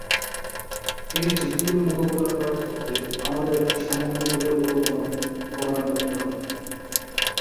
এই ঝুঁকিগুলো মোকাবিলা করার ক্ষেত্রে আমাদের একটি সমন্বিত পরিকল্পনা প্রণয়ন করতে হবে।